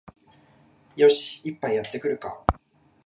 よし、一杯やってくるか